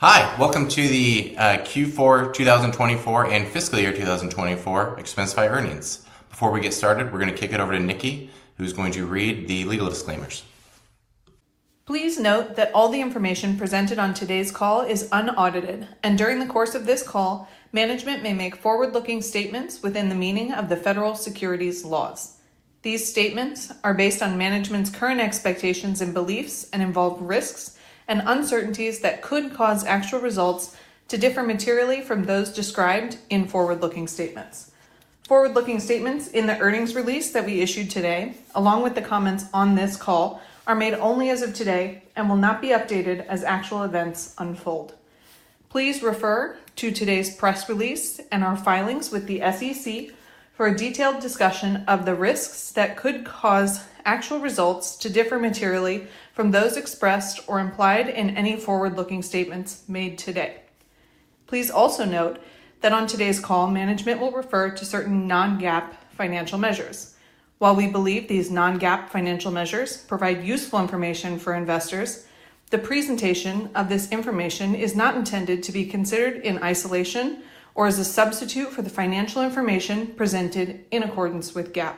Hi, welcome to the Q4 2024 and fiscal year 2024 Expensify. Before we get started, we're going to kick it over to Niki, who's going to read the legal disclaimers. Please note that all the information presented on today's call is unaudited, and during the course of this call, management may make forward-looking statements within the meaning of the federal securities laws. These statements are based on management's current expectations and beliefs and involve risks and uncertainties that could cause actual results to differ materially from those described in forward-looking statements. Forward-looking statements in the earnings release that we issued today, along with the comments on this call, are made only as of today and will not be updated as actual events unfold. Please refer to today's press release and our filings with the SEC for a detailed discussion of the risks that could cause actual results to differ materially from those expressed or implied in any forward-looking statements made today. Please also note that on today's call, management will refer to certain non-GAAP financial measures. While we believe these non-GAAP financial measures provide useful information for investors, the presentation of this information is not intended to be considered in isolation or as a substitute for the financial information presented in accordance with GAAP.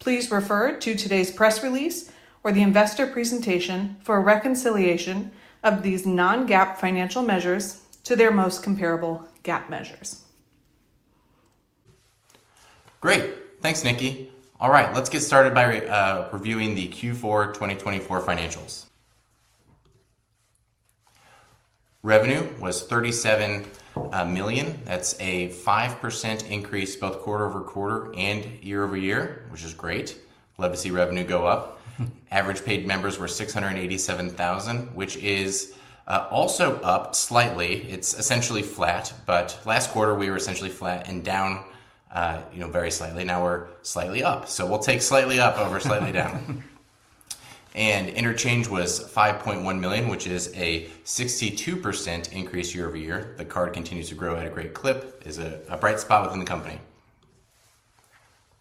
Please refer to today's press release or the investor presentation for a reconciliation of these non-GAAP financial measures to their most comparable GAAP measures. Great. Thanks, Niki. All right, let's get started by reviewing the Q4 2024 financials. Revenue was $37 million. That's a 5% increase both quarter-over-quarter and year-over-year, which is great. Love to see revenue go up. Average paid members were 687,000, which is also up slightly. It's essentially flat, but last quarter we were essentially flat and down very slightly. Now we're slightly up, so we'll take slightly up over slightly down. Interchange was $5.1 million, which is a 62% increase year-over-year. The card continues to grow at a great clip, is a bright spot within the company.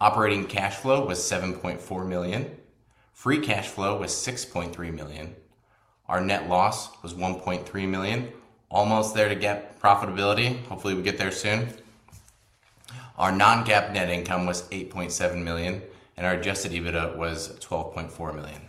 Operating cash flow was $7.4 million. Free cash flow was $6.3 million. Our net loss was $1.3 million, almost there to get profitability. Hopefully, we get there soon. Our non-GAAP net income was $8.7 million, and our adjusted EBITDA was $12.4 million.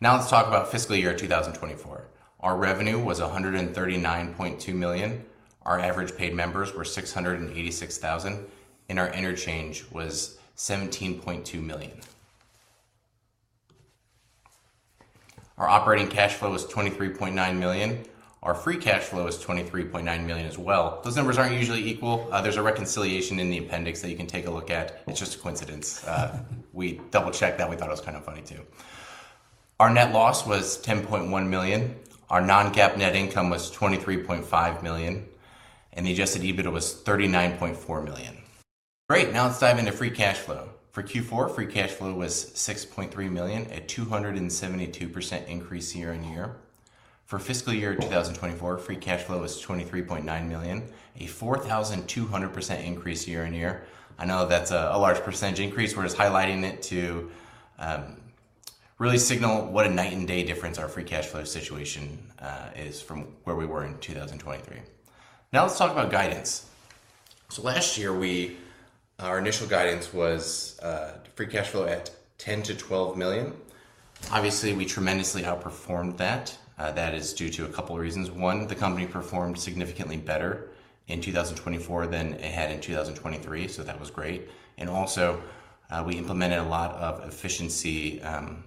Now let's talk about fiscal year 2024. Our revenue was $139.2 million. Our average paid members were 686,000, and our interchange was $17.2 million. Our operating cash flow was $23.9 million. Our free cash flow was $23.9 million as well. Those numbers aren't usually equal. There's a reconciliation in the appendix that you can take a look at. It's just a coincidence. We double-checked that. We thought it was kind of funny too. Our net loss was $10.1 million. Our non-GAAP net income was $23.5 million, and the adjusted EBITDA was $39.4 million. Great. Now let's dive into free cash flow. For Q4, free cash flow was $6.3 million, a 272% increase year-on-year. For fiscal year 2024, free cash flow was $23.9 million, a 4,200% increase year-on-year. I know that's a large percentage increase. We're just highlighting it to really signal what a night-and-day difference our free cash flow situation is from where we were in 2023. Now let's talk about guidance. Last year, our initial guidance was free cash flow at $10 million-$12 million. Obviously, we tremendously outperformed that. That is due to a couple of reasons. One, the company performed significantly better in 2024 than it had in 2023, so that was great. Also, we implemented a lot of efficiency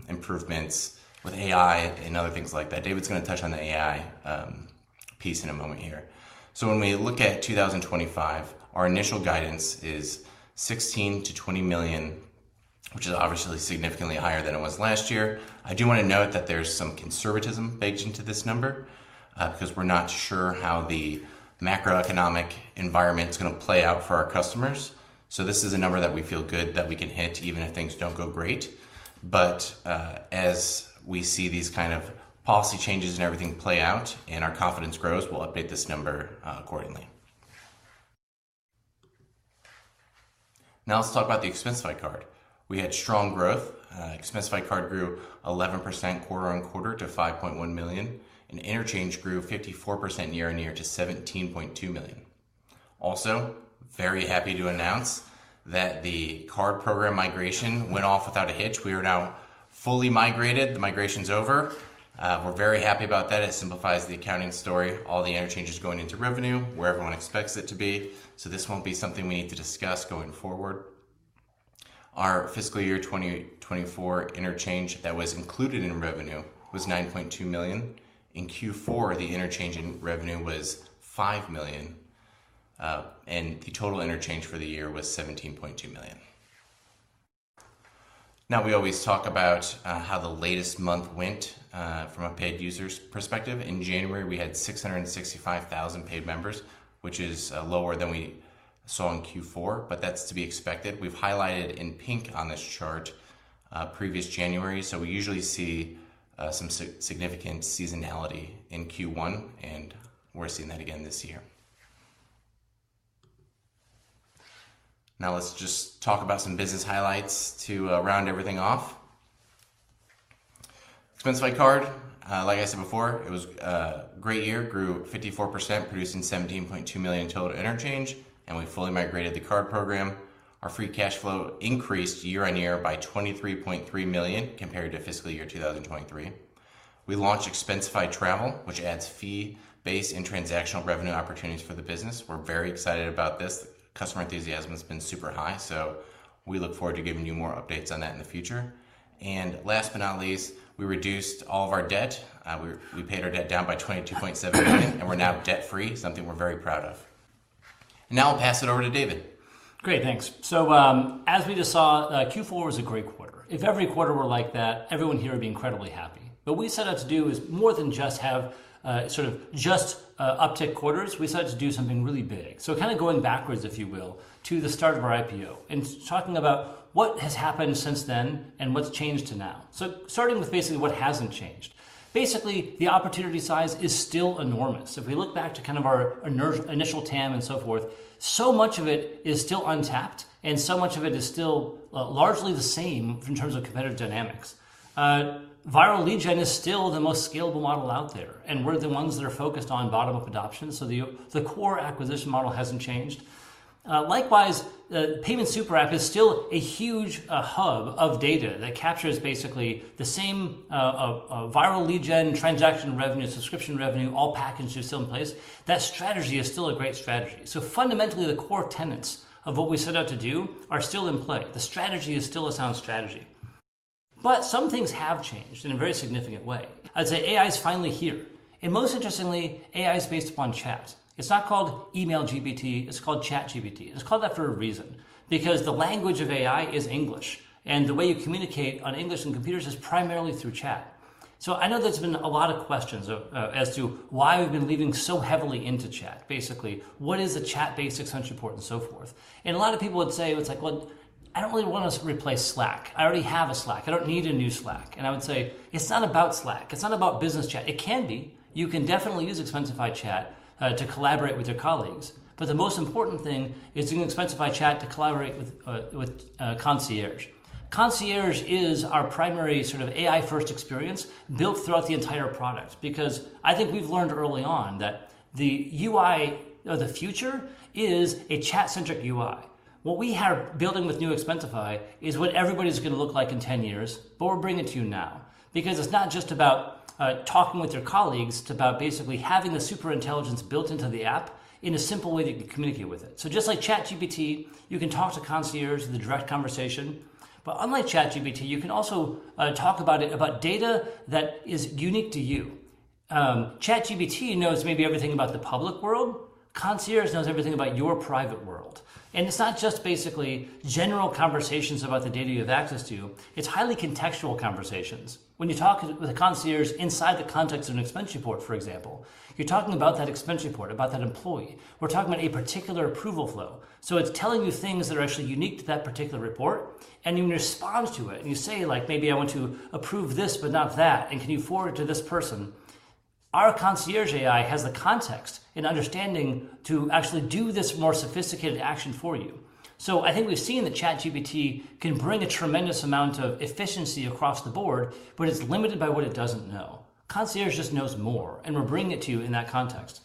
improvements with AI and other things like that. David's going to touch on the AI piece in a moment here. When we look at 2025, our initial guidance is $16 million-$20 million, which is obviously significantly higher than it was last year. I do want to note that there's some conservatism baked into this number because we're not sure how the macroeconomic environment is going to play out for our customers. This is a number that we feel good that we can hit even if things don't go great. As we see these kind of policy changes and everything play out and our confidence grows, we'll update this number accordingly. Now let's talk about the Expensify Card. We had strong growth. Expensify Card grew 11% quarter-on-quarter to $5.1 million. Interchange grew 54% year-on-year to $17.2 million. Also, very happy to announce that the card program migration went off without a hitch. We are now fully migrated. The migration's over. We're very happy about that. It simplifies the accounting story. All the interchange is going into revenue where everyone expects it to be. This won't be something we need to discuss going forward. Our fiscal year 2024 interchange that was included in revenue was $9.2 million. In Q4, the interchange in revenue was $5 million, and the total interchange for the year was $17.2 million. Now, we always talk about how the latest month went from a paid user's perspective. In January, we had 665,000 paid members, which is lower than we saw in Q4, but that's to be expected. We've highlighted in pink on this chart previous January, so we usually see some significant seasonality in Q1, and we're seeing that again this year. Now let's just talk about some business highlights to round everything off. Expensify Card, like I said before, it was a great year. Grew 54%, producing $17.2 million total interchange, and we fully migrated the card program. Our free cash flow increased year-on-year by $23.3 million compared to fiscal year 2023. We launched Expensify Travel, which adds fee-based and transactional revenue opportunities for the business. We're very excited about this. Customer enthusiasm has been super high, so we look forward to giving you more updates on that in the future. Last but not least, we reduced all of our debt. We paid our debt down by $22.7 million, and we're now debt-free, something we're very proud of. Now I'll pass it over to David. Great, thanks. As we just saw, Q4 was a great quarter. If every quarter were like that, everyone here would be incredibly happy. What we set out to do is more than just have sort of just uptick quarters. We set out to do something really big. Kind of going backwards, if you will, to the start of our IPO and talking about what has happened since then and what's changed to now. Starting with basically what hasn't changed. Basically, the opportunity size is still enormous. If we look back to kind of our initial TAM and so forth, so much of it is still untapped, and so much of it is still largely the same in terms of competitive dynamics. Viral Lead Gen is still the most scalable model out there, and we're the ones that are focused on bottom-up adoption, so the core acquisition model hasn't changed. Likewise, the Payment Super App is still a huge hub of data that captures basically the same Viral Lead Gen transaction revenue, subscription revenue, all packages still in place. That strategy is still a great strategy. Fundamentally, the core tenets of what we set out to do are still in play. The strategy is still a sound strategy. Some things have changed in a very significant way. I'd say AI is finally here. Most interestingly, AI is based upon chat. It's not called EmailGPT. It's called ChatGPT. It's called that for a reason because the language of AI is English, and the way you communicate on English and computers is primarily through chat. I know there's been a lot of questions as to why we've been leaning so heavily into chat. Basically, what is the chat-based extension port and so forth? A lot of people would say, "I don't really want to replace Slack. I already have a Slack. I don't need a new Slack." I would say, "It's not about Slack. It's not about business chat." It can be. You can definitely use Expensify Chat to collaborate with your colleagues, but the most important thing is to use Expensify Chat to collaborate with Concierge. Concierge is our primary sort of AI-first experience built throughout the entire product because I think we've learned early on that the UI of the future is a chat-centric UI. What we are building with New Expensify is what everybody's going to look like in 10 years, but we're bringing it to you now because it's not just about talking with your colleagues. It's about basically having the super intelligence built into the app in a simple way that you can communicate with it. Just like ChatGPT, you can talk to Concierge in the direct conversation. Unlike ChatGPT, you can also talk about data that is unique to you. ChatGPT knows maybe everything about the public world. Concierge knows everything about your private world. It's not just basically general conversations about the data you have access to. It's highly contextual conversations. When you talk with a Concierge inside the context of an expense report, for example, you're talking about that expense report, about that employee. We're talking about a particular approval flow. It's telling you things that are actually unique to that particular report, and you respond to it. You say, "Maybe I want to approve this, but not that, and can you forward it to this person?" Our Concierge AI has the context and understanding to actually do this more sophisticated action for you. I think we've seen that ChatGPT can bring a tremendous amount of efficiency across the board, but it's limited by what it doesn't know. Concierge just knows more, and we're bringing it to you in that context.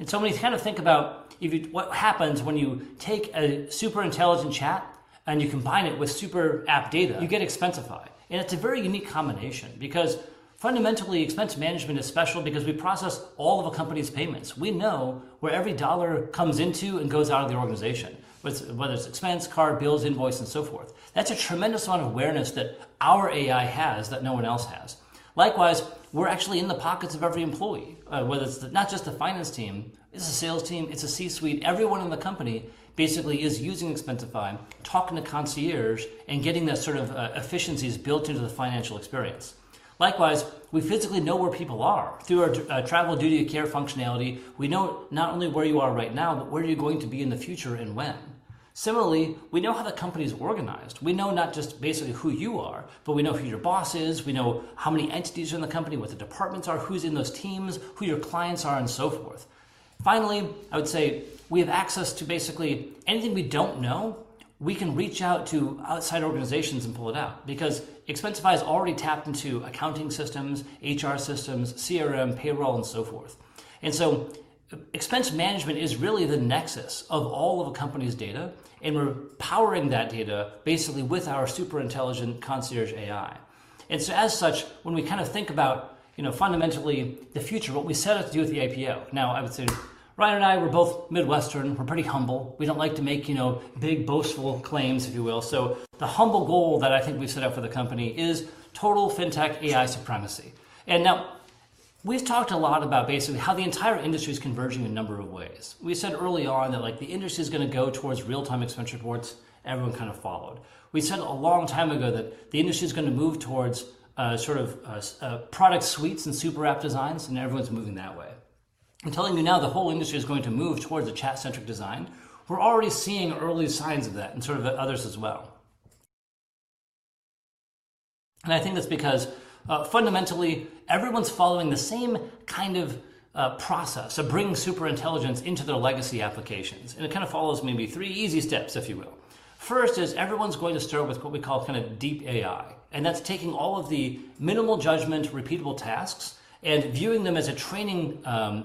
When you kind of think about what happens when you take a super intelligent chat and you combine it with super app data, you get Expensify. It's a very unique combination because fundamentally, expense management is special because we process all of a company's payments. We know where every dollar comes into and goes out of the organization, whether it's expense, card, bills, invoice, and so forth. That's a tremendous amount of awareness that our AI has that no one else has. Likewise, we're actually in the pockets of every employee, whether it's not just the finance team, it's the sales team, it's the C-suite. Everyone in the company basically is using Expensify, talking to Concierge, and getting that sort of efficiencies built into the financial experience. Likewise, we physically know where people are. Through our travel duty of care functionality, we know not only where you are right now, but where you're going to be in the future and when. Similarly, we know how the company's organized. We know not just basically who you are, but we know who your boss is. We know how many entities are in the company, what the departments are, who's in those teams, who your clients are, and so forth. Finally, I would say we have access to basically anything we don't know. We can reach out to outside organizations and pull it out because Expensify is already tapped into accounting systems, HR systems, CRM, payroll, and so forth. Expense management is really the nexus of all of a company's data, and we're powering that data basically with our super intelligent Concierge AI. As such, when we kind of think about fundamentally the future, what we set out to do with the IPO. Now, I would say Ryan and I, we're both Midwestern. We're pretty humble. We don't like to make big boastful claims, if you will. The humble goal that I think we've set up for the company is total fintech AI supremacy. Now we've talked a lot about basically how the entire industry is converging in a number of ways. We said early on that the industry is going to go towards real-time expense reports. Everyone kind of followed. We said a long time ago that the industry is going to move towards sort of product suites and super app designs, and everyone's moving that way. I'm telling you now the whole industry is going to move towards a chat-centric design. We're already seeing early signs of that and sort of others as well. I think that's because fundamentally, everyone's following the same kind of process of bringing super intelligence into their legacy applications. It kind of follows maybe three easy steps, if you will. First is everyone's going to start with what we call kind of Deep AI, and that's taking all of the minimal judgment, repeatable tasks, and viewing them as a training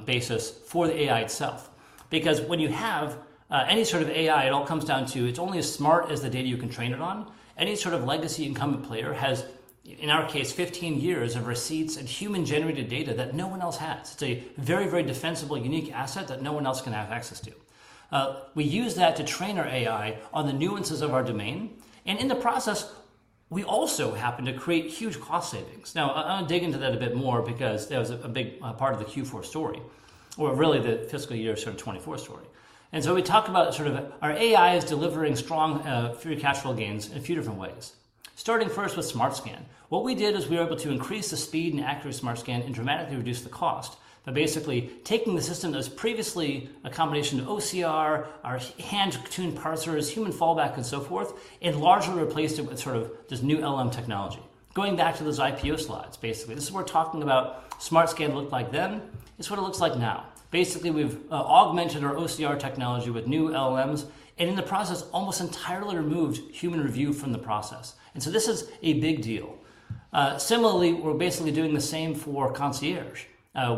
basis for the AI itself. Because when you have any sort of AI, it all comes down to it's only as smart as the data you can train it on. Any sort of legacy incumbent player has, in our case, 15 years of receipts and human-generated data that no one else has. It's a very, very defensible, unique asset that no one else can have access to. We use that to train our AI on the nuances of our domain. In the process, we also happen to create huge cost savings. Now, I'll dig into that a bit more because that was a big part of the Q4 story, or really the fiscal year sort of 2024 story. We talk about sort of our AI is delivering strong free cash flow gains in a few different ways. Starting first with SmartScan. What we did is we were able to increase the speed and accuracy of SmartScan and dramatically reduce the cost by basically taking the system that was previously a combination of OCR, our hand-tuned parsers, human fallback, and so forth, and largely replaced it with sort of this new LLM technology. Going back to those IPO slides, basically, this is what we're talking about. SmartScan looked like then. It's what it looks like now. Basically, we've augmented our OCR technology with new LLMs and in the process almost entirely removed human review from the process. This is a big deal. Similarly, we're basically doing the same for Concierge.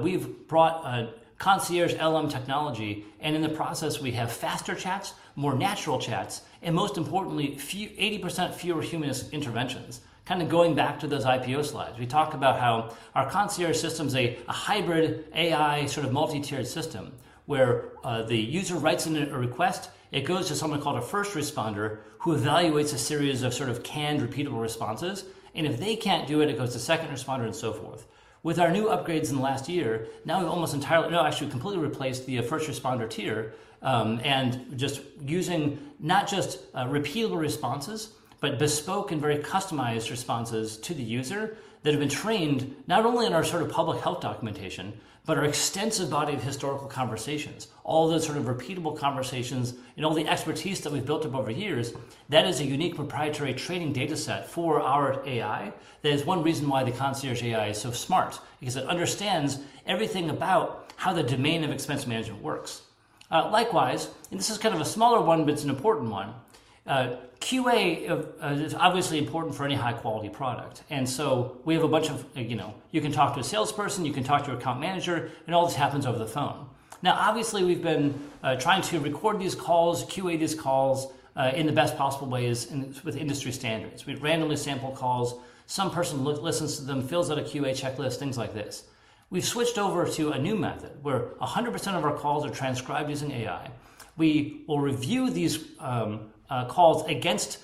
We've brought Concierge LLM technology, and in the process, we have faster chats, more natural chats, and most importantly, 80% fewer human interventions. Kind of going back to those IPO slides, we talk about how our Concierge system is a hybrid AI sort of multi-tiered system where the user writes in a request, it goes to someone called a first responder who evaluates a series of sort of canned repeatable responses. If they can't do it, it goes to second responder and so forth. With our new upgrades in the last year, now we've almost entirely, no, actually completely replaced the first responder tier and just using not just repeatable responses, but bespoke and very customized responses to the user that have been trained not only on our sort of public help documentation, but our extensive body of historical conversations. All those sort of repeatable conversations and all the expertise that we've built up over years, that is a unique proprietary training data set for our AI that is one reason why the Concierge AI is so smart because it understands everything about how the domain of expense management works. Likewise, and this is kind of a smaller one, but it's an important one. QA is obviously important for any high-quality product. We have a bunch of, you can talk to a salesperson, you can talk to an account manager, and all this happens over the phone. Obviously, we've been trying to record these calls, QA these calls in the best possible ways with industry standards. We randomly sample calls. Some person listens to them, fills out a QA checklist, things like this. We've switched over to a new method where 100% of our calls are transcribed using AI. We will review these calls against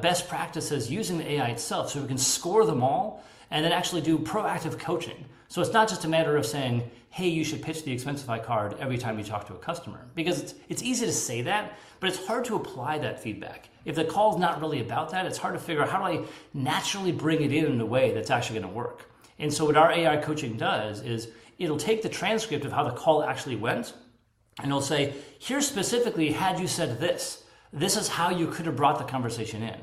best practices using the AI itself so we can score them all and then actually do proactive coaching. It is not just a matter of saying, "Hey, you should pitch the Expensify Card every time you talk to a customer," because it's easy to say that, but it's hard to apply that feedback. If the call is not really about that, it's hard to figure out how do I naturally bring it in in a way that's actually going to work. What our AI coaching does is it'll take the transcript of how the call actually went, and it'll say, "Here's specifically how you said this. This is how you could have brought the conversation in."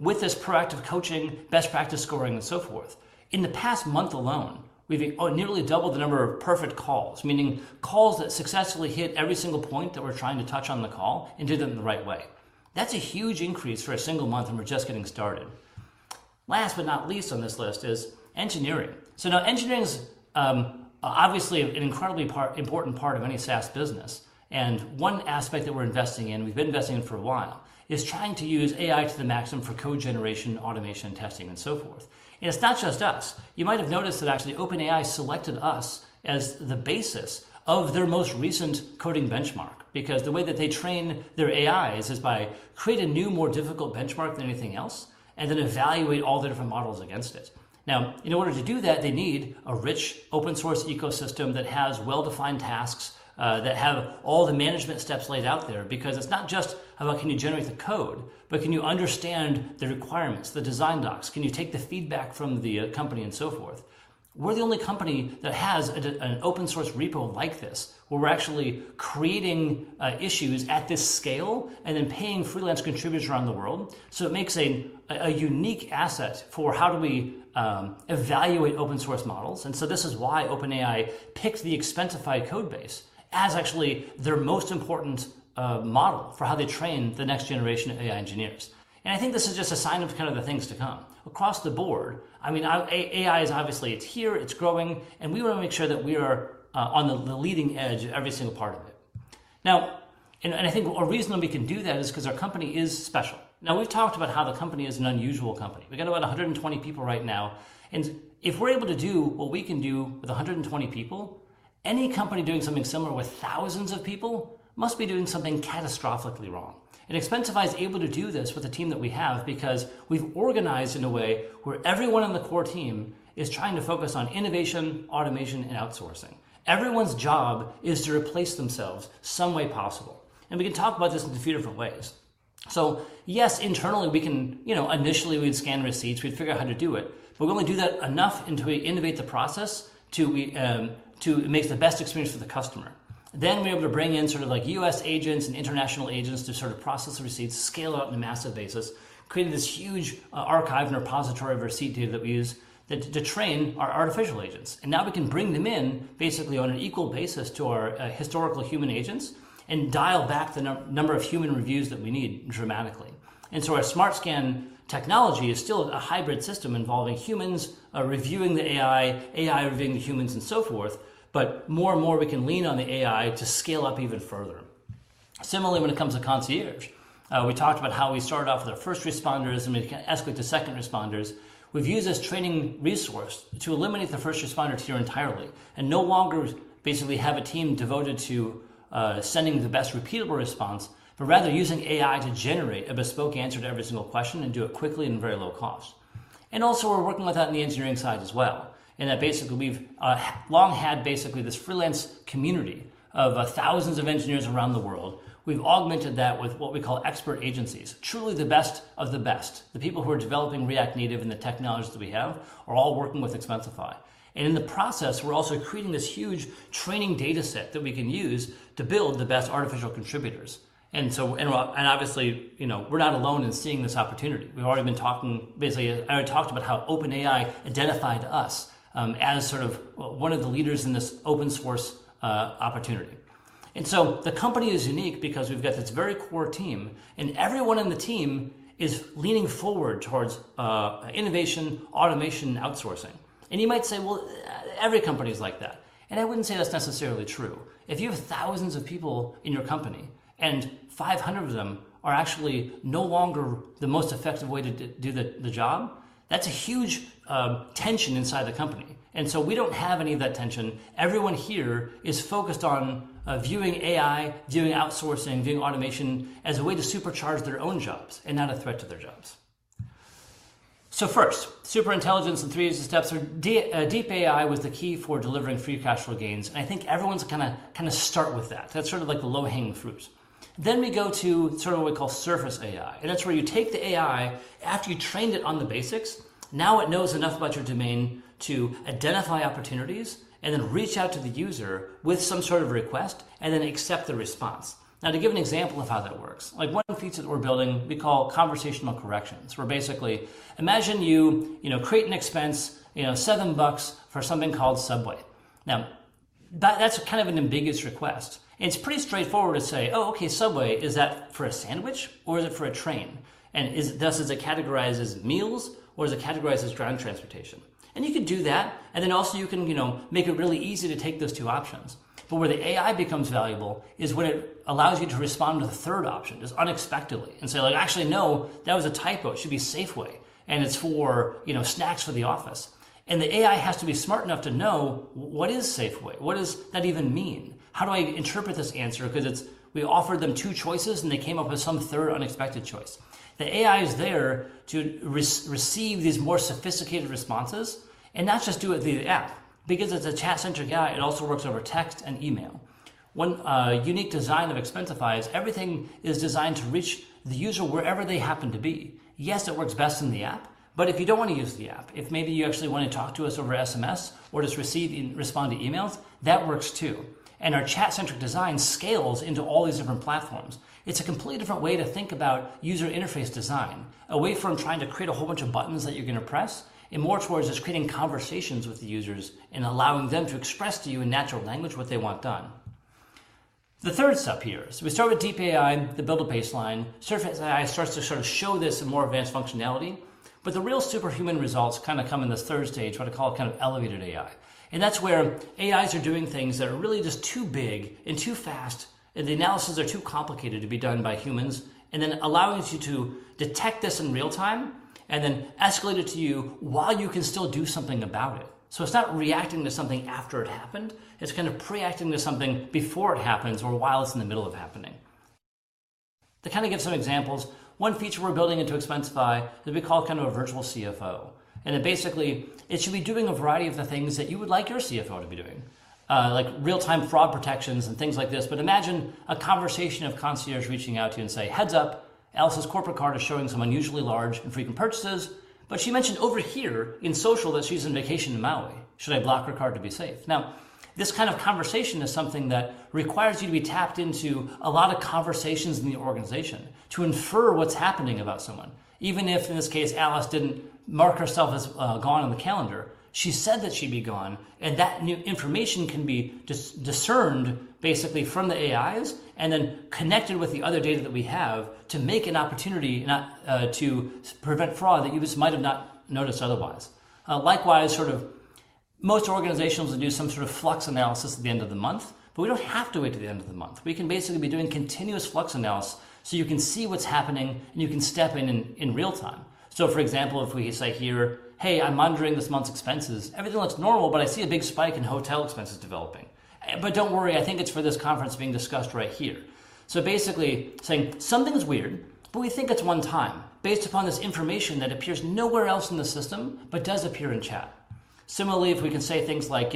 With this proactive coaching, best practice scoring, and so forth, in the past month alone, we've nearly doubled the number of perfect calls, meaning calls that successfully hit every single point that we're trying to touch on the call and did it in the right way. That's a huge increase for a single month, and we're just getting started. Last but not least on this list is engineering. Engineering is obviously an incredibly important part of any SaaS business. One aspect that we're investing in, we've been investing in for a while, is trying to use AI to the maximum for code generation, automation, testing, and so forth. It's not just us. You might have noticed that actually OpenAI selected us as the basis of their most recent coding benchmark because the way that they train their AIs is by creating a new, more difficult benchmark than anything else and then evaluating all the different models against it. Now, in order to do that, they need a rich open-source ecosystem that has well-defined tasks that have all the management steps laid out there because it's not just about can you generate the code, but can you understand the requirements, the design docs, can you take the feedback from the company, and so forth. We're the only company that has an open-source repo like this where we're actually creating issues at this scale and then paying freelance contributors around the world. It makes a unique asset for how do we evaluate open-source models. This is why OpenAI picked the Expensify code base as actually their most important model for how they train the next generation of AI engineers. I think this is just a sign of kind of the things to come. Across the board, I mean, AI is obviously here, it's growing, and we want to make sure that we are on the leading edge of every single part of it. I think a reason we can do that is because our company is special. We've talked about how the company is an unusual company. We've got about 120 people right now. If we're able to do what we can do with 120 people, any company doing something similar with thousands of people must be doing something catastrophically wrong. Expensify is able to do this with the team that we have because we've organized in a way where everyone on the core team is trying to focus on innovation, automation, and outsourcing. Everyone's job is to replace themselves some way possible. We can talk about this in a few different ways. Yes, internally, we can initially scan receipts. We'd figure out how to do it, but we only do that enough until we innovate the process to make it the best experience for the customer. We are able to bring in sort of U.S. agents and international agents to sort of process the receipts, scale out on a massive basis, creating this huge archive and repository of receipt data that we use to train our artificial agents. We can bring them in basically on an equal basis to our historical human agents and dial back the number of human reviews that we need dramatically. Our SmartScan technology is still a hybrid system involving humans reviewing the AI, AI reviewing the humans, and so forth, but more and more we can lean on the AI to scale up even further. Similarly, when it comes to Concierge, we talked about how we started off with our first responders and we escalate to second responders. We've used this training resource to eliminate the first responder tier entirely and no longer basically have a team devoted to sending the best repeatable response, but rather using AI to generate a bespoke answer to every single question and do it quickly and at very low cost. We are also working with that on the engineering side as well. Basically, we've long had this freelance community of thousands of engineers around the world. We've augmented that with what we call expert agencies, truly the best of the best. The people who are developing React Native and the technologies that we have are all working with Expensify. In the process, we're also creating this huge training data set that we can use to build the best artificial contributors. Obviously, we're not alone in seeing this opportunity. I already talked about how OpenAI identified us as sort of one of the leaders in this open-source opportunity. The company is unique because we've got this very core team, and everyone on the team is leaning forward towards innovation, automation, and outsourcing. You might say, "Well, every company is like that." I wouldn't say that's necessarily true. If you have thousands of people in your company and 500 of them are actually no longer the most effective way to do the job, that's a huge tension inside the company. We don't have any of that tension. Everyone here is focused on viewing AI, viewing outsourcing, viewing automation as a way to supercharge their own jobs and not a threat to their jobs. First, super intelligence in three easy steps. Deep AI was the key for delivering free cash flow gains. I think everyone's going to kind of start with that. That's sort of like the low-hanging fruit. We go to sort of what we call Surface AI. That's where you take the AI after you trained it on the basics. Now it knows enough about your domain to identify opportunities and then reach out to the user with some sort of request and then accept the response. To give an example of how that works, one feature that we're building we call conversational corrections. Basically, imagine you create an expense, seven bucks for something called Subway. Now, that's kind of an ambiguous request. It's pretty straightforward to say, "Oh, okay, Subway, is that for a sandwich or is it for a train? And thus, is it categorized as meals or is it categorized as ground transportation?" You can do that. Also, you can make it really easy to take those two options. Where the AI becomes valuable is when it allows you to respond to the third option just unexpectedly and say, "Actually, no, that was a typo. It should be Safeway. It's for snacks for the office." The AI has to be smart enough to know what is Safeway, what does that even mean, how do I interpret this answer? Because we offered them two choices, and they came up with some third unexpected choice. The AI is there to receive these more sophisticated responses and not just do it via the app. Because it's a chat-centric AI, it also works over text and email. One unique design of Expensify is everything is designed to reach the user wherever they happen to be. Yes, it works best in the app, but if you don't want to use the app, if maybe you actually want to talk to us over SMS or just receive and respond to emails, that works too. Our chat-centric design scales into all these different platforms. It's a completely different way to think about user interface design, away from trying to create a whole bunch of buttons that you're going to press, and more towards just creating conversations with the users and allowing them to express to you in natural language what they want done. The third step here. We start with Deep AI, the build a baseline. Surface AI starts to sort of show this in more advanced functionality. The real superhuman results kind of come in the third stage, what I call kind of Elevated AI. That's where AIs are doing things that are really just too big and too fast, and the analyses are too complicated to be done by humans, and then allowing you to detect this in real time and then escalate it to you while you can still do something about it. It is not reacting to something after it happened. It is kind of preacting to something before it happens or while it is in the middle of happening. To kind of give some examples, one feature we are building into Expensify is we call it kind of a virtual CFO. And basically, it should be doing a variety of the things that you would like your CFO to be doing, like real-time fraud protections and things like this. Imagine a conversation of Concierge reaching out to you and saying, "Heads up, Elsa's corporate card is showing some unusually large and frequent purchases, but she mentioned over here in social that she is on vacation in Maui. Should I block her card to be safe?" Now, this kind of conversation is something that requires you to be tapped into a lot of conversations in the organization to infer what is happening about someone. Even if in this case, Alice did not mark herself as gone on the calendar, she said that she would be gone, and that new information can be discerned basically from the AIs and then connected with the other data that we have to make an opportunity to prevent fraud that you just might have not noticed otherwise. Likewise, sort of most organizations will do some sort of flux analysis at the end of the month, but we do not have to wait to the end of the month. We can basically be doing continuous flux analysis so you can see what is happening and you can step in in real time. For example, if we say here, "Hey, I am monitoring this month's expenses. Everything looks normal, but I see a big spike in hotel expenses developing. Do not worry, I think it's for this conference being discussed right here. Basically saying, "Something's weird, but we think it's one time based upon this information that appears nowhere else in the system, but does appear in chat." Similarly, if we can say things like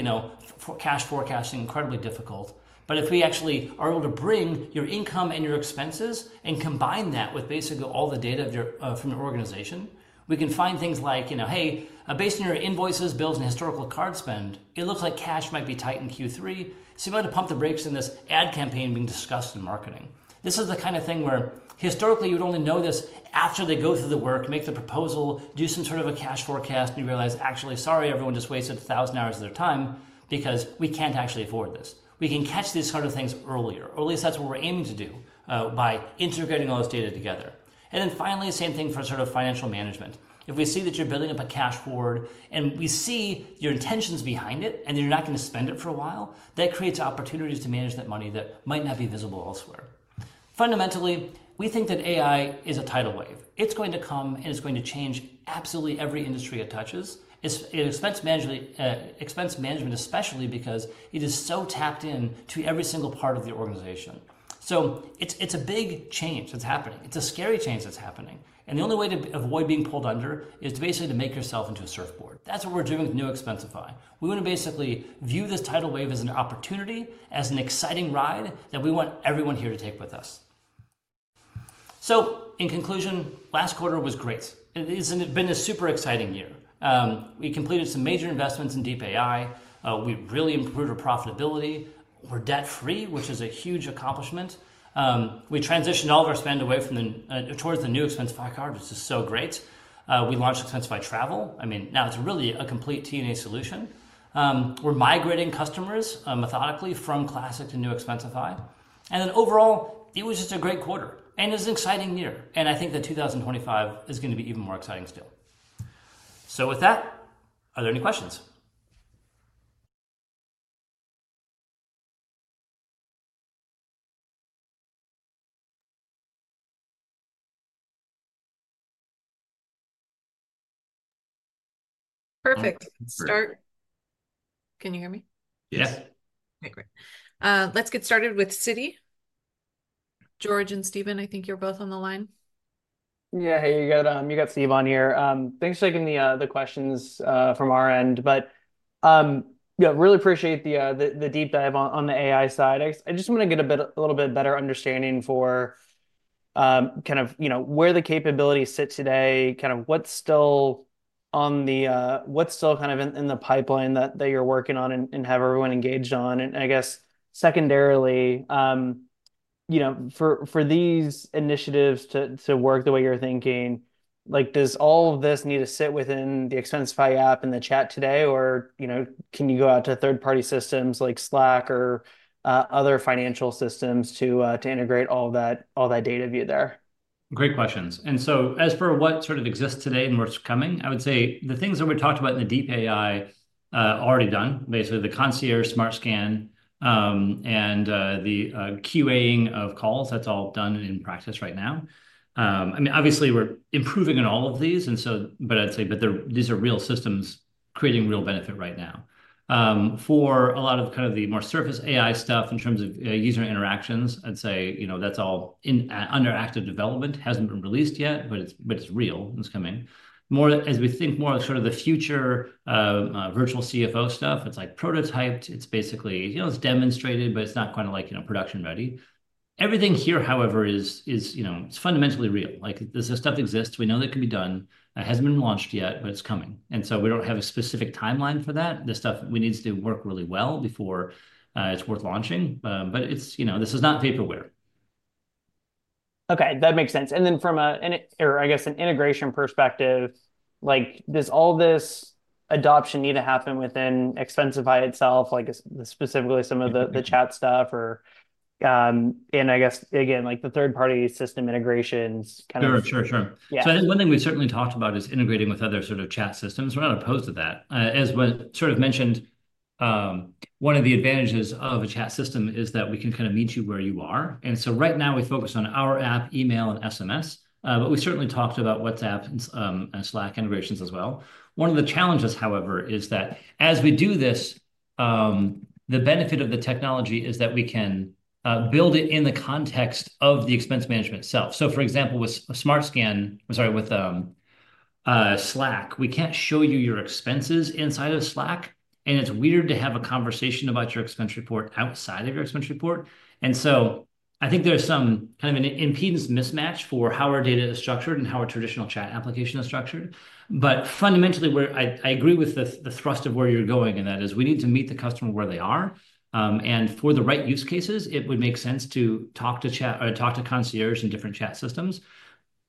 cash forecasting, incredibly difficult, but if we actually are able to bring your income and your expenses and combine that with basically all the data from your organization, we can find things like, "Hey, based on your invoices, bills, and historical card spend, it looks like cash might be tight in Q3. You might have pumped the brakes in this ad campaign being discussed in marketing. This is the kind of thing where historically you would only know this after they go through the work, make the proposal, do some sort of a cash forecast, and you realize, "Actually, sorry, everyone just wasted a thousand hours of their time because we can't actually afford this." We can catch these sort of things earlier. At least that's what we're aiming to do by integrating all this data together. Finally, same thing for sort of financial management. If we see that you're building up a cash hoard and we see your intentions behind it and you're not going to spend it for a while, that creates opportunities to manage that money that might not be visible elsewhere. Fundamentally, we think that AI is a tidal wave. It's going to come and it's going to change absolutely every industry it touches. It's expense management, especially because it is so tapped into every single part of the organization. It's a big change that's happening. It's a scary change that's happening. The only way to avoid being pulled under is to basically make yourself into a surfboard. That's what we're doing with New Expensify. We want to basically view this tidal wave as an opportunity, as an exciting ride that we want everyone here to take with us. In conclusion, last quarter was great. It has been a super exciting year. We completed some major investments in Deep AI. We really improved our profitability. We're debt-free, which is a huge accomplishment. We transitioned all of our spend away towards the New Expensify Card, which is so great. We launched Expensify Travel. I mean, now it's really a complete T&E solution. We're migrating customers methodically from Classic to New Expensify. Overall, it was just a great quarter and it was an exciting year. I think that 2025 is going to be even more exciting still. With that, are there any questions? Perfect. Can you hear me? Yes. Okay, great. Let's get started with Citi. George and Steven, I think you're both on the line. Yeah, hey, you got Steve on here. Thanks for taking the questions from our end. Yeah, really appreciate the deep dive on the AI side. I just want to get a little bit better understanding for kind of where the capabilities sit today, kind of what's still in the pipeline that you're working on and have everyone engaged on. I guess secondarily, for these initiatives to work the way you're thinking, does all of this need to sit within the Expensify app and the chat today, or can you go out to third-party systems like Slack or other financial systems to integrate all that data view there? Great questions. As for what sort of exists today and what's coming, I would say the things that we talked about in the Deep AI are already done. Basically, the Concierge, SmartScan, and the QAing of calls, that's all done in practice right now. I mean, obviously, we're improving on all of these, but I'd say these are real systems creating real benefit right now. For a lot of kind of the more Surface AI stuff in terms of user interactions, I'd say that's all under active development. Hasn't been released yet, but it's real. It's coming. As we think more of sort of the future virtual CFO stuff, it's prototyped. It's basically demonstrated, but it's not kind of production ready. Everything here, however, is fundamentally real. This stuff exists. We know that it can be done. It hasn't been launched yet, but it's coming. We do not have a specific timeline for that. This stuff needs to work really well before it is worth launching. This is not vaporware. Okay, that makes sense. From an integration perspective, does all this adoption need to happen within Expensify itself, specifically some of the chat stuff? I guess, again, the third-party system integrations kind of. Sure, sure, sure. One thing we've certainly talked about is integrating with other sort of chat systems. We're not opposed to that. As was sort of mentioned, one of the advantages of a chat system is that we can kind of meet you where you are. Right now, we focus on our app, email, and SMS. We've certainly talked about WhatsApp and Slack integrations as well. One of the challenges, however, is that as we do this, the benefit of the technology is that we can build it in the context of the expense management itself. For example, with SmartScan, I'm sorry, with Slack, we can't show you your expenses inside of Slack, and it's weird to have a conversation about your expense report outside of your expense report. I think there's some kind of an impedance mismatch for how our data is structured and how our traditional chat application is structured. Fundamentally, I agree with the thrust of where you're going, and that is we need to meet the customer where they are. For the right use cases, it would make sense to talk to concierges in different chat systems.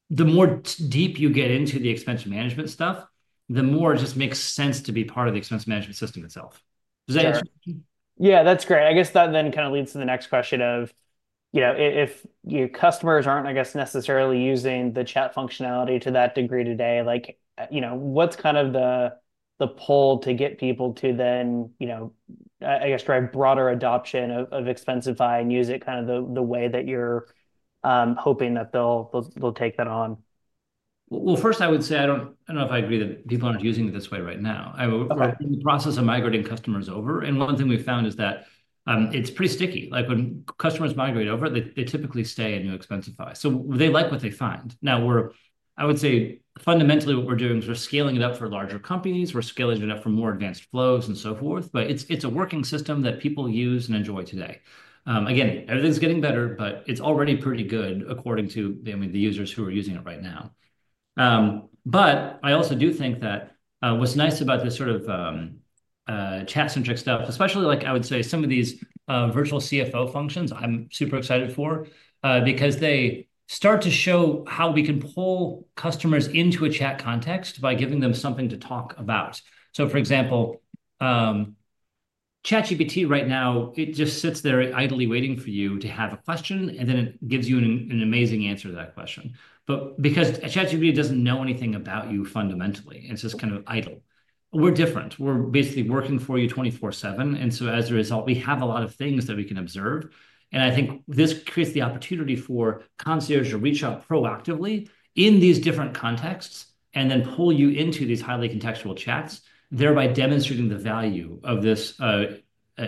The more deep you get into the expense management stuff, the more it just makes sense to be part of the expense management system itself. Does that answer? Yeah, that's great. I guess that then kind of leads to the next question of if your customers aren't, I guess, necessarily using the chat functionality to that degree today, what's kind of the pull to get people to then, I guess, drive broader adoption of Expensify and use it kind of the way that you're hoping that they'll take that on? I would say I don't know if I agree that people aren't using it this way right now. We're in the process of migrating customers over. One thing we found is that it's pretty sticky. When customers migrate over, they typically stay in New Expensify. They like what they find. I would say fundamentally, what we're doing is we're scaling it up for larger companies. We're scaling it up for more advanced flows and so forth. It's a working system that people use and enjoy today. Again, everything's getting better, but it's already pretty good according to the users who are using it right now. I also do think that what's nice about this sort of chat-centric stuff, especially like I would say some of these virtual CFO functions, I'm super excited for because they start to show how we can pull customers into a chat context by giving them something to talk about. For example, ChatGPT right now, it just sits there idly waiting for you to have a question, and then it gives you an amazing answer to that question. Because ChatGPT doesn't know anything about you fundamentally, it's just kind of idle. We're different. We're basically working for you 24/7. As a result, we have a lot of things that we can observe. I think this creates the opportunity for concierges to reach out proactively in these different contexts and then pull you into these highly contextual chats, thereby demonstrating the value of this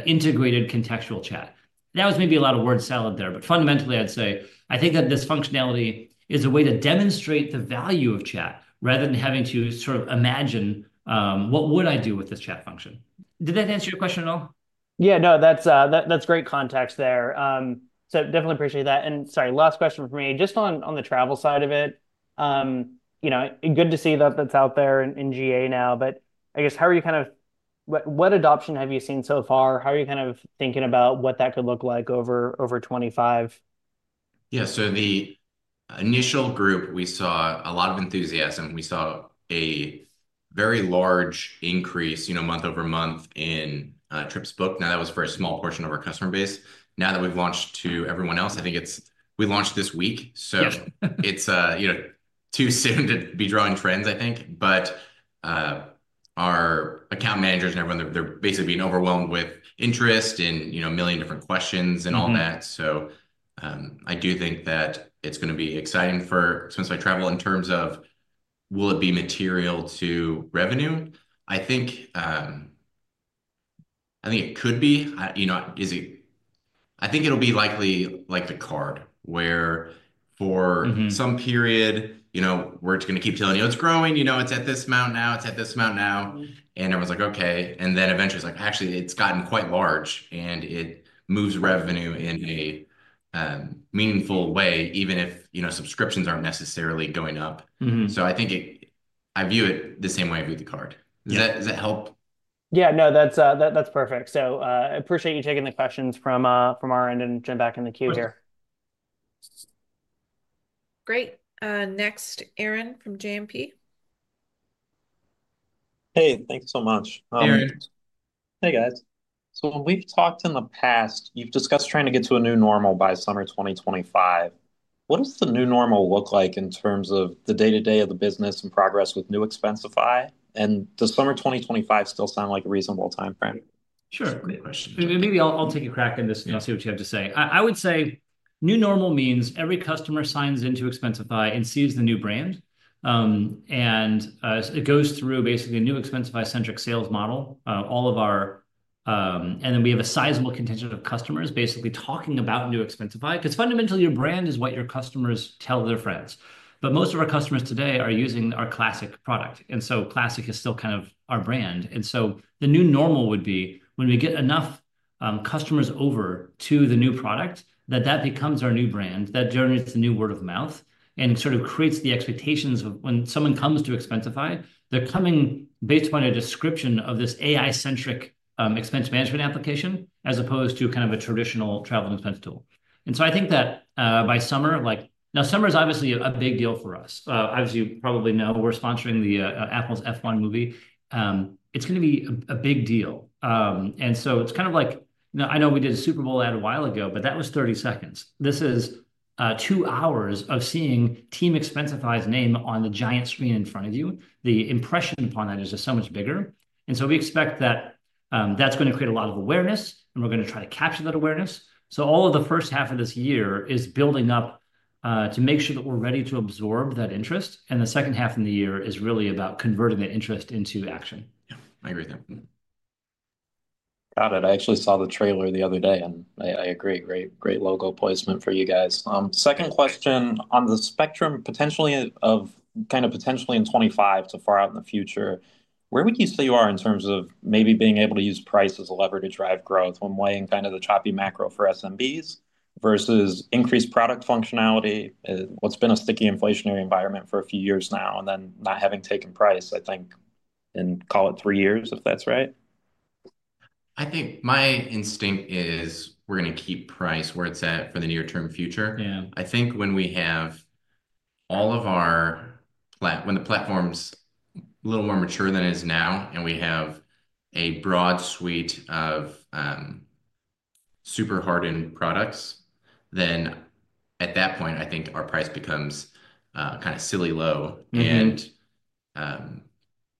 integrated contextual chat. That was maybe a lot of word salad there. Fundamentally, I'd say I think that this functionality is a way to demonstrate the value of chat rather than having to sort of imagine, "What would I do with this chat function?" Did that answer your question at all? Yeah, no, that's great context there. Definitely appreciate that. Sorry, last question for me. Just on the travel side of it, good to see that that's out there in GA now. I guess how are you kind of what adoption have you seen so far? How are you kind of thinking about what that could look like over 2025? Yeah, so the initial group, we saw a lot of enthusiasm. We saw a very large increase month over month in trips booked. Now, that was for a small portion of our customer base. Now that we've launched to everyone else, I think we launched this week. It's too soon to be drawing trends, I think. Our account managers and everyone, they're basically being overwhelmed with interest and a million different questions and all that. I do think that it's going to be exciting for Expensify Travel in terms of will it be material to revenue? I think it could be. I think it'll be likely like the card where for some period, we're just going to keep telling you, "It's growing. It's at this amount now. It's at this amount now." Everyone's like, "Okay." Eventually, it's like, "Actually, it's gotten quite large, and it moves revenue in a meaningful way, even if subscriptions aren't necessarily going up." I think I view it the same way I view the card. Does that help? Yeah, no, that's perfect. I appreciate you taking the questions from our end and jump back in the queue here. Great. Next, Aaron from JMP. Hey, thanks so much. Hey, Aaron. Hey, guys. When we've talked in the past, you've discussed trying to get to a new normal by summer 2025. What does the new normal look like in terms of the day-to-day of the business and progress with New Expensify? Does summer 2025 still sound like a reasonable timeframe? Sure. Maybe I'll take a crack at this and I'll see what you have to say. I would say new normal means every customer signs into Expensify and sees the new brand. It goes through basically a New Expensify-centric sales model. We have a sizable contingent of customers basically talking about New Expensify. Fundamentally, your brand is what your customers tell their friends. Most of our customers today are using our Classic product. Classic is still kind of our brand. The new normal would be when we get enough customers over to the new product, that that becomes our new brand, that generates a new word of mouth, and sort of creates the expectations of when someone comes to Expensify, they're coming based upon a description of this AI-centric expense management application as opposed to kind of a traditional travel and expense tool. I think that by summer now, summer is obviously a big deal for us. As you probably know, we're sponsoring the Apple's F1 movie. It's going to be a big deal. It's kind of like I know we did a Super Bowl ad a while ago, but that was 30 seconds. This is two hours of seeing Team Expensify's name on the giant screen in front of you. The impression upon that is just so much bigger. We expect that is going to create a lot of awareness, and we are going to try to capture that awareness. All of the first half of this year is building up to make sure that we are ready to absorb that interest. The second half of the year is really about converting that interest into action. Yeah, I agree with that. Got it. I actually saw the trailer the other day, and I agree. Great logo placement for you guys. Second question. On the spectrum of kind of potentially in 2025, so far out in the future, where would you say you are in terms of maybe being able to use price as a lever to drive growth when weighing kind of the choppy macro for SMBs versus increased product functionality? It's been a sticky inflationary environment for a few years now, and then not having taken price, I think, in, call it, three years, if that's right. I think my instinct is we're going to keep price where it's at for the near-term future. I think when we have all of our, when the platform's a little more mature than it is now, and we have a broad suite of super hardened products, at that point, I think our price becomes kind of silly low, and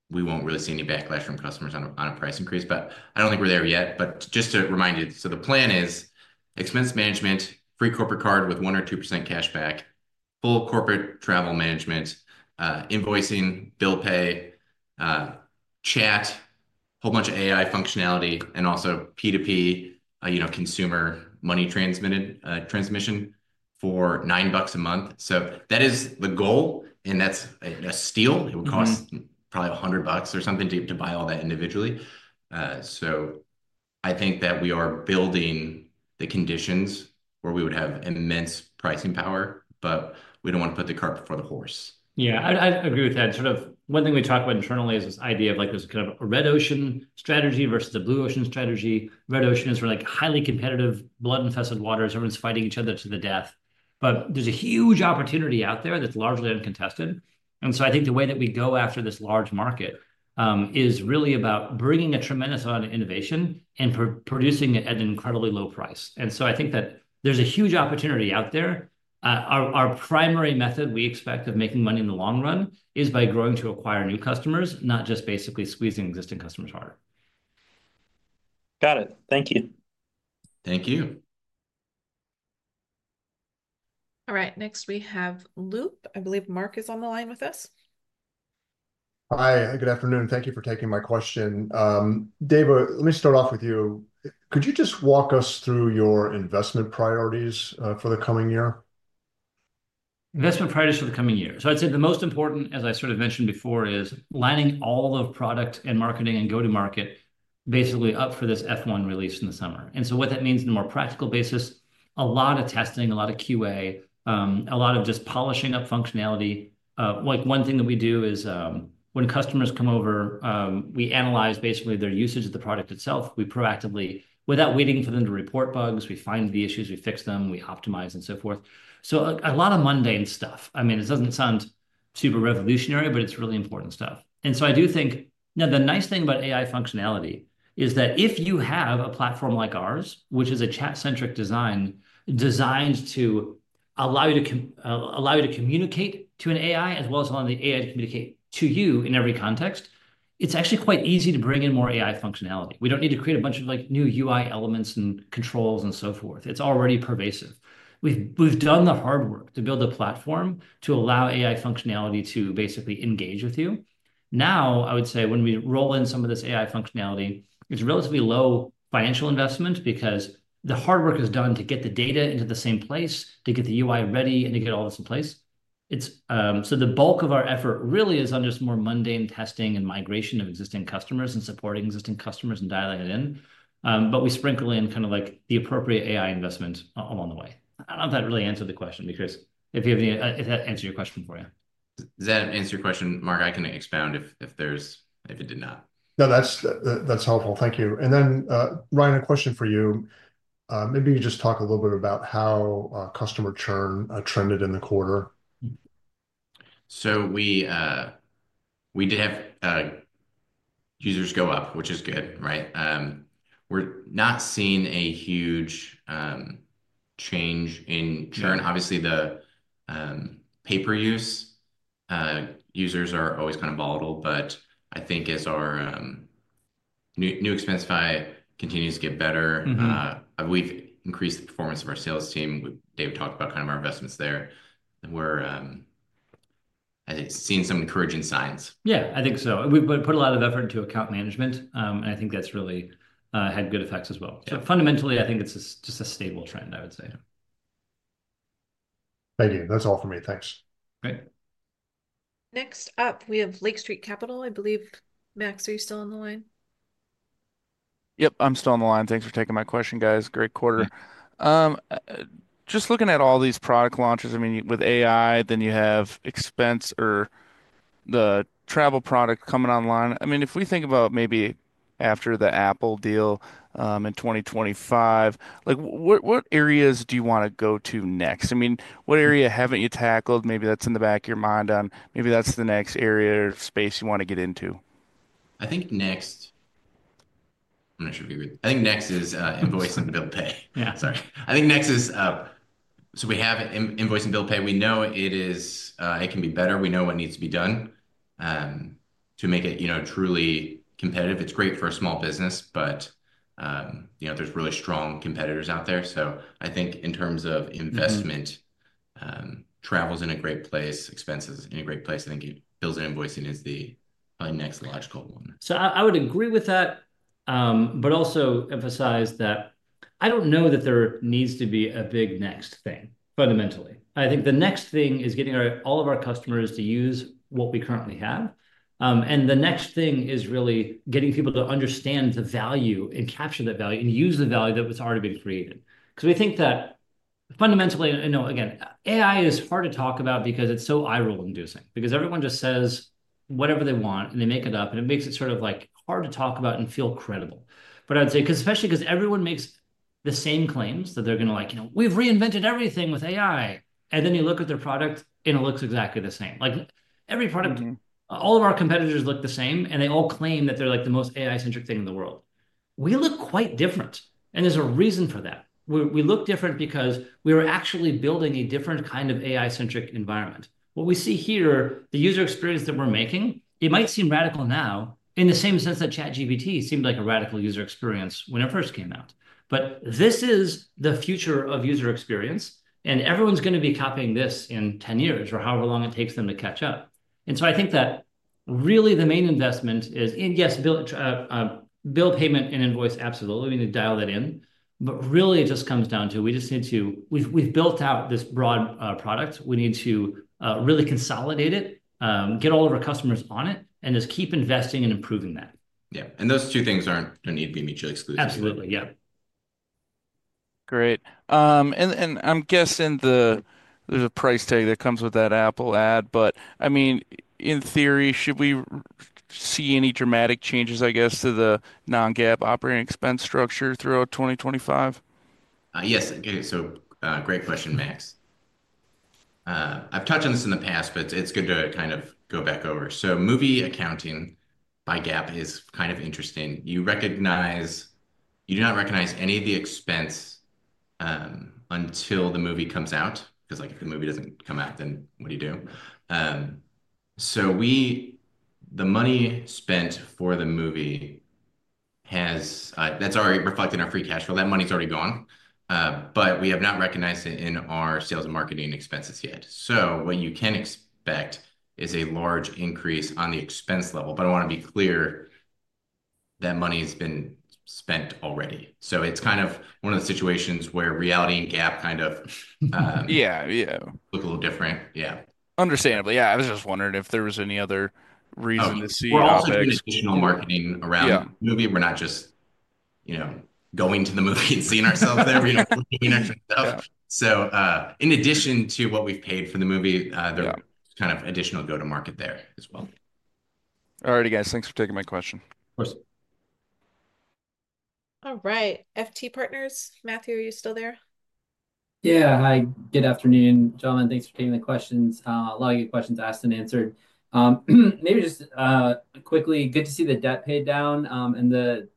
we won't really see any backlash from customers on a price increase. I don't think we're there yet. Just to remind you, the plan is expense management, free corporate card with 1% or 2% cashback, full corporate travel management, invoicing, bill pay, chat, a whole bunch of AI functionality, and also P2P, consumer money transmission for $9 a month. That is the goal, and that's a steal. It would cost probably $100 or something to buy all that individually. I think that we are building the conditions where we would have immense pricing power, but we do not want to put the cart before the horse. Yeah. I agree with that. Sort of one thing we talk about internally is this idea of there is kind of a red ocean strategy versus a blue ocean strategy. Red ocean is where highly competitive, blood-infested waters. Everyone is fighting each other to the death. There is a huge opportunity out there that is largely uncontested. I think the way that we go after this large market is really about bringing a tremendous amount of innovation and producing it at an incredibly low price. I think that there is a huge opportunity out there. Our primary method we expect of making money in the long run is by growing to acquire new customers, not just basically squeezing existing customers harder. Got it. Thank you. Thank you. All right. Next, we have Loop. I believe Mark is on the line with us. Hi, good afternoon. Thank you for taking my question. David, let me start off with you. Could you just walk us through your investment priorities for the coming year? Investment priorities for the coming year. I'd say the most important, as I sort of mentioned before, is lining all of product and marketing and go-to-market basically up for this F1 release in the summer. What that means on a more practical basis, a lot of testing, a lot of QA, a lot of just polishing up functionality. One thing that we do is when customers come over, we analyze basically their usage of the product itself. Without waiting for them to report bugs, we find the issues, we fix them, we optimize, and so forth. A lot of mundane stuff. I mean, it doesn't sound super revolutionary, but it's really important stuff. I do think now the nice thing about AI functionality is that if you have a platform like ours, which is a chat-centric design designed to allow you to communicate to an AI as well as allow the AI to communicate to you in every context, it's actually quite easy to bring in more AI functionality. We don't need to create a bunch of new UI elements and controls and so forth. It's already pervasive. We've done the hard work to build a platform to allow AI functionality to basically engage with you. Now, I would say when we roll in some of this AI functionality, it's relatively low financial investment because the hard work is done to get the data into the same place, to get the UI ready, and to get all this in place. The bulk of our effort really is on just more mundane testing and migration of existing customers and supporting existing customers and dialing it in. We sprinkle in kind of the appropriate AI investments along the way. I don't know if that really answered the question because if that answered your question for you. Does that answer your question, Mark? I can expound if it did not. No, that's helpful. Thank you. Ryan, a question for you. Maybe you just talk a little bit about how customer churn trended in the quarter. We did have users go up, which is good, right? We're not seeing a huge change in churn. Obviously, the pay-per-use users are always kind of volatile. I think as our New Expensify continues to get better, we've increased the performance of our sales team. David talked about our investments there. We're seeing some encouraging signs. I think so. We put a lot of effort into account management, and I think that's really had good effects as well. Fundamentally, I think it's just a stable trend, I would say. Thank you. That's all for me. Thanks. Great. Next up, we have Lake Street Capital. I believe, Max, are you still on the line? Yep, I'm still on the line. Thanks for taking my question, guys. Great quarter. Just looking at all these product launches, I mean, with AI, then you have Expensify or the travel product coming online. I mean, if we think about maybe after the Apple deal in 2025, what areas do you want to go to next? I mean, what area haven't you tackled? Maybe that's in the back of your mind. Maybe that's the next area or space you want to get into. I think next, I'm not sure if you agree. I think next is invoicing and bill pay. Yeah, sorry. I think next is, so we have invoicing and bill pay. We know it can be better. We know what needs to be done to make it truly competitive. It's great for a small business, but there's really strong competitors out there. I think in terms of investment, travel's in a great place. Expense is in a great place. I think bills and invoicing is the next logical one. I would agree with that, but also emphasize that I don't know that there needs to be a big next thing, fundamentally. I think the next thing is getting all of our customers to use what we currently have. The next thing is really getting people to understand the value and capture that value and use the value that was already being created. We think that fundamentally, again, AI is hard to talk about because it's so eye-roll-inducing. Everyone just says whatever they want, and they make it up. It makes it sort of hard to talk about and feel credible. I'd say, especially because everyone makes the same claims that they're going to like, "We've reinvented everything with AI." You look at their product, and it looks exactly the same. Every product, all of our competitors look the same, and they all claim that they're the most AI-centric thing in the world. We look quite different. There's a reason for that. We look different because we are actually building a different kind of AI-centric environment. What we see here, the user experience that we're making, it might seem radical now in the same sense that ChatGPT seemed like a radical user experience when it first came out. This is the future of user experience, and everyone's going to be copying this in 10 years or however long it takes them to catch up. I think that really the main investment is, yes, bill payment and invoice, absolutely. We need to dial that in. It just comes down to we just need to we've built out this broad product. We need to really consolidate it, get all of our customers on it, and just keep investing and improving that. Yeah. Those two things aren't going to need to be mutually exclusive. Absolutely. Yeah. Great. I'm guessing there's a price tag that comes with that Apple ad. I mean, in theory, should we see any dramatic changes, I guess, to the non-GAAP operating expense structure throughout 2025? Yes. Great question, Max. I've touched on this in the past, but it's good to kind of go back over. Movie accounting by GAAP is kind of interesting. You do not recognize any of the expense until the movie comes out. Because if the movie doesn't come out, then what do you do? The money spent for the movie, that's already reflected in our free cash flow. That money's already gone. We have not recognized it in our sales and marketing expenses yet. You can expect a large increase on the expense level. I want to be clear that money has been spent already. It's kind of one of the situations where reality and GAAP kind of look a little different. Yeah. Understandably. Yeah. I was just wondering if there was any other reason to see it. We're also doing additional marketing around the movie. We're not just going to the movie and seeing ourselves there. We're doing extra stuff. In addition to what we've paid for the movie, there's kind of additional go-to-market there as well. All righty, guys. Thanks for taking my question. Of course. All right. FT Partners. Matthew, are you still there? Yeah. Hi. Good afternoon, gentlemen. Thanks for taking the questions. A lot of good questions asked and answered. Maybe just quickly, good to see the debt paid down and the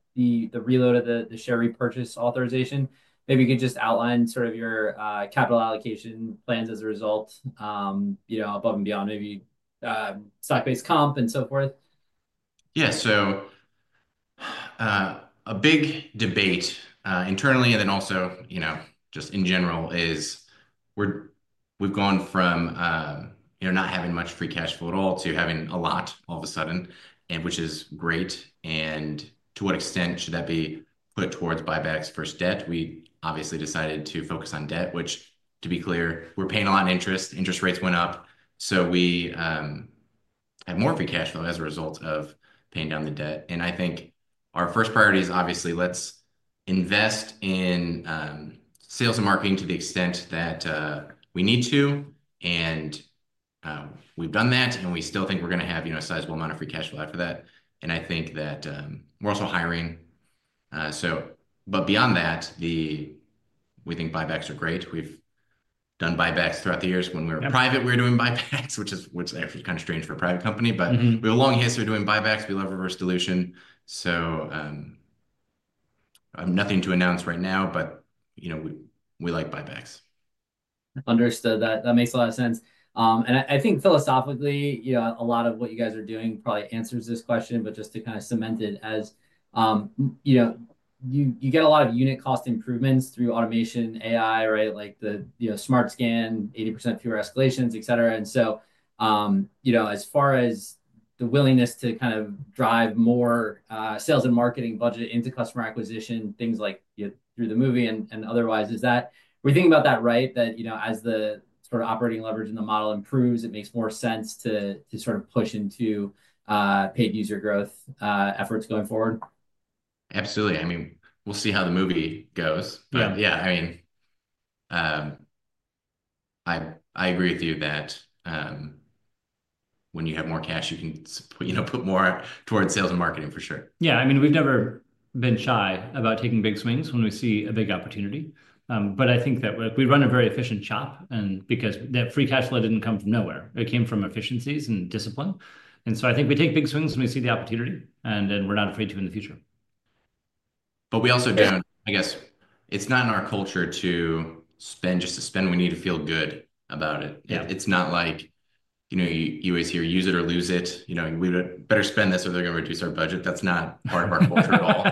reload of the share repurchase authorization. Maybe you could just outline sort of your capital allocation plans as a result above and beyond maybe stock-based comp and so forth. Yeah. A big debate internally and then also just in general is we've gone from not having much free cash flow at all to having a lot all of a sudden, which is great. To what extent should that be put towards buybacks versus debt? We obviously decided to focus on debt, which, to be clear, we're paying a lot in interest. Interest rates went up. We had more free cash flow as a result of paying down the debt. I think our first priority is obviously let's invest in sales and marketing to the extent that we need to. We've done that. We still think we're going to have a sizable amount of free cash flow after that. I think that we're also hiring. Beyond that, we think buybacks are great. We've done buybacks throughout the years. When we were private, we were doing buybacks, which is kind of strange for a private company. We have a long history of doing buybacks. We love reverse dilution. Nothing to announce right now, but we like buybacks. Understood that. That makes a lot of sense. I think philosophically, a lot of what you guys are doing probably answers this question. Just to kind of cement it, you get a lot of unit cost improvements through automation, AI, right, like the SmartScan, 80% fewer escalations, etc. As far as the willingness to kind of drive more sales and marketing budget into customer acquisition, things like through the movie and otherwise, is that we're thinking about that, right, that as the sort of operating leverage in the model improves, it makes more sense to sort of push into paid user growth efforts going forward? Absolutely. I mean, we'll see how the movie goes. Yeah, I mean, I agree with you that when you have more cash, you can put more towards sales and marketing for sure. Yeah. I mean, we've never been shy about taking big swings when we see a big opportunity. I think that we run a very efficient shop because that free cash flow didn't come from nowhere. It came from efficiencies and discipline. I think we take big swings when we see the opportunity, and then we're not afraid to in the future. We also do not, I guess. It is not in our culture to spend just to spend. We need to feel good about it. It is not like you always hear use it or lose it. We better spend this or they are going to reduce our budget. That is not part of our culture at all.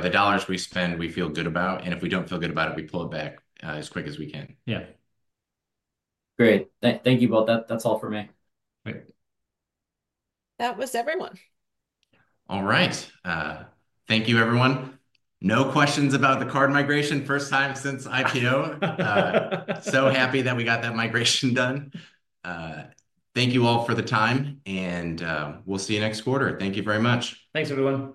The dollars we spend, we feel good about. If we do not feel good about it, we pull it back as quick as we can. Yeah. Great. Thank you both. That's all for me. Great. That was everyone. All right. Thank you, everyone. No questions about the card migration. First time since IPO. So happy that we got that migration done. Thank you all for the time. And we'll see you next quarter. Thank you very much. Thanks, everyone.